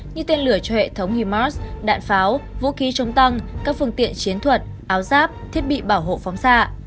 như tên lửa cho hệ thống himos đạn pháo vũ khí chống tăng các phương tiện chiến thuật áo giáp thiết bị bảo hộ phóng xạ